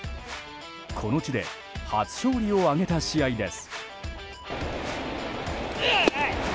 この地で初勝利を挙げた試合です。